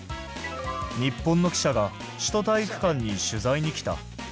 日本の記者が首都体育館に取材に来た。